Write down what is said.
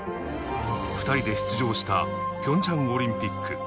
２人で出場したピョンチャンオリンピック。